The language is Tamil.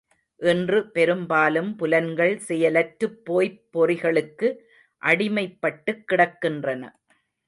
இன்று பெரும்பாலும் புலன்கள் செயலற்றுப்போய்ப் பொறிகளுக்கு அடிமைப்பட்டுக் கிடக்கின்றன.